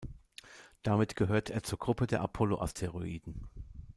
Damit gehört er zur Gruppe der Apollo-Asteroiden.